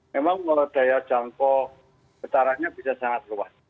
memang daya jangkau besarannya bisa sangat luas